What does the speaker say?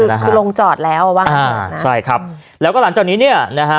คือคือลงจอดแล้วอ่ะว่าอ่าใช่ครับแล้วก็หลังจากนี้เนี่ยนะฮะ